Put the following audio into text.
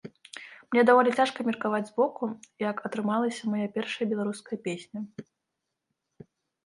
Мне даволі цяжка меркаваць збоку, як атрымалася мая першая беларуская песня.